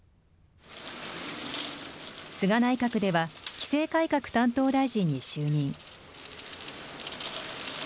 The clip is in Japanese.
菅内閣では、規制改革担当大臣に就任。